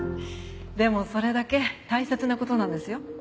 でもそれだけ大切な事なんですよ。